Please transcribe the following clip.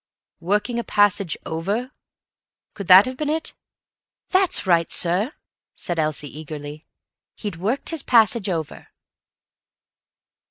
Working a passage over—could that have been it?" "That's right, sir," said Elsie eagerly. "He'd worked his passage over."